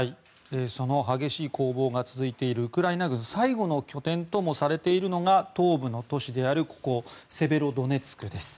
その激しい攻防が続いているウクライナ軍最後の拠点ともされているのが東部の都市であるここ、セベロドネツクです。